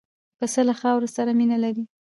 پسه له خاورو سره مینه لري.